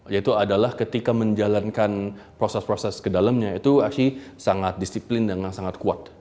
yaitu adalah ketika menjalankan proses proses ke dalamnya itu actual sangat disiplin dengan sangat kuat